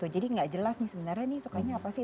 jadi gak jelas nih sebenarnya nih sukanya apa sih